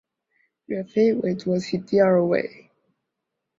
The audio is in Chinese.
岳飞为左起第二位。